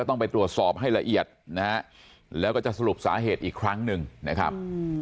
ต้องไปตรวจสอบให้ละเอียดนะฮะแล้วก็จะสรุปสาเหตุอีกครั้งหนึ่งนะครับ